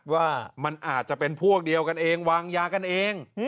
ว่ามันอาจจะเป็นพวกเดียวกันเองวางยากันเอง